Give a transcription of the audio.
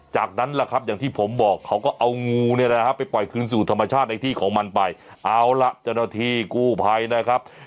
จากนั้นล่ะครับอย่างที่ผมบอกเขาก็เอางูเนี่ยนะฮะไปปล่อยคืนสู่ธรรมชาติในที่ของมันไปเอาล่ะเจ้าหน้าที่กู้ภัยนะครับ